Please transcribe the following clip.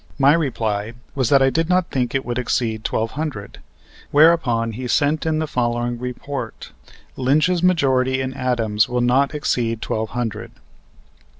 My reply was that I did not think it would exceed twelve hundred; whereupon he sent in the following report: "Lynch's majority in Adams will not exceed twelve hundred."